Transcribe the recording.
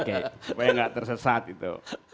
supaya nggak tersesat itu